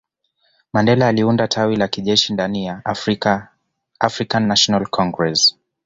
Mandela aliunda tawi la kijeshi ndaniya Afrikan national congress